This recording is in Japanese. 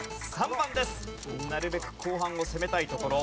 なるべく後半を攻めたいところ。